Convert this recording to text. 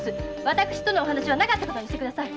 私とのお話はなかったことにしてください。